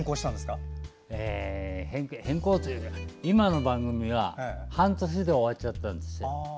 変更というか今の番組は半年で終わっちゃったんです。